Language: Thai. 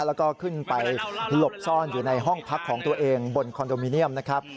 แล้วก็ขึ้นไปหลบซ่อนอยู่ในห้องพักของตัวเองบนคอนโดมิเนียมนะครับ